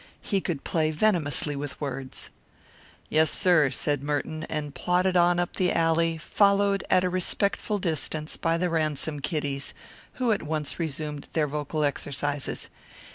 He could play venomously with words. "Yes, sir," said Merton, and plodded on up the alley, followed at a respectful distance by the Ransom kiddies, who at once resumed their vocal exercises.